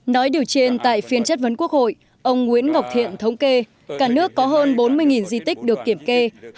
nói điều trên tại phiên chất vấn quốc hội ông nguyễn ngọc thiện thống kê cả nước có hơn bốn mươi di tích được kiểm kê